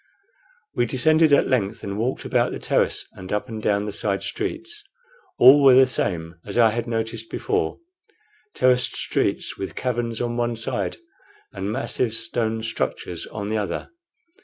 We descended at length and walked about the terrace and up and down the side streets. All were the same as I had noticed before terraced streets, with caverns on one side and massive stone structures on the other.